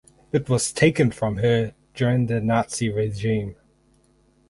It was taken from her during the Nazi regime.